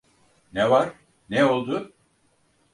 Ne var, ne oldu?